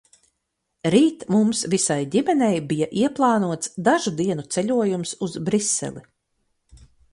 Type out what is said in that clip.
Rīt mums visai ģimenei bija ieplānots dažu dienu ceļojums uz Briseli.